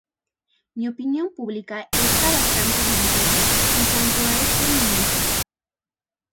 La opinión pública está bastante dividida en cuanto a esta ministra.